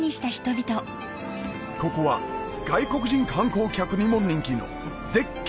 ここは外国人観光客にも人気の絶景